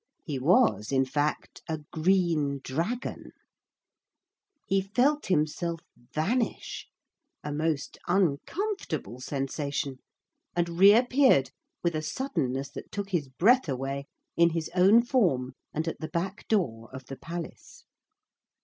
He was, in fact, a green dragon. He felt himself vanish a most uncomfortable sensation and reappeared, with a suddenness that took his breath away, in his own form and at the back door of the palace.